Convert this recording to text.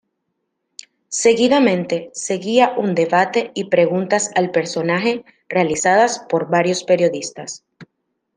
Seguidamente seguía un debate y preguntas al personaje realizadas por varios periodistas.